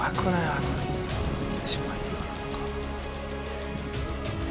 あの一枚岩なんか。